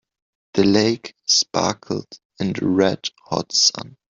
The lake sparkled in the red hot sun.